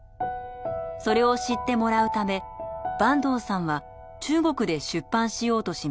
それを知ってもらうため坂東さんは中国で出版しようとしました。